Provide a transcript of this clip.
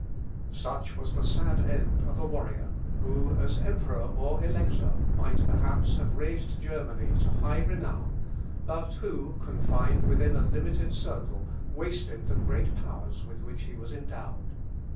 Such was the sad end of a warrior, who, as emperor or elector, might, perhaps, have raised Germany to high renown, but who, confined within a limited circle, wasted the great powers with which he was endowed.